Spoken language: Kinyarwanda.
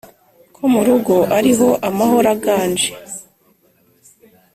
ko mu rugo ariho amahoro aganje